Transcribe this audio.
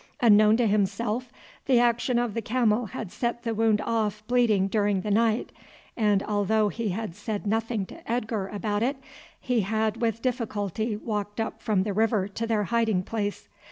Unknown to himself the action of the camel had set the wound off bleeding during the night, and although he had said nothing to Edgar about it, he had with difficulty walked up from the river to their hiding place.